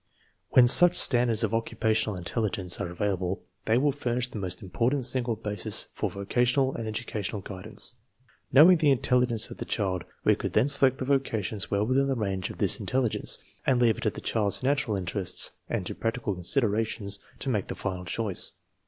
When such standards of oc cupational intelligence are available, they will furnish the most important single basis for vocational and edu cational guidance. Knowing the intelligence of the child we could then select the vocations well within the range of this intelligence, and leave it to the child's natural interests and to practical considerations to make the final choice.